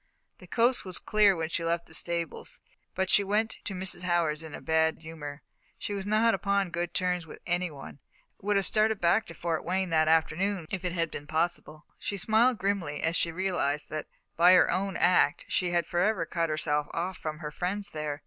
The coast was clear when she left the stables, but she went to Mrs. Howard's in a bad humour. She was not upon good terms with any one, and would have have started back to Fort Wayne that afternoon if it had been possible. She smiled grimly as she realised that, by her own act, she had forever cut herself off from her friends there.